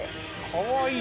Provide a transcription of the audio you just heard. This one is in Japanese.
かわいい。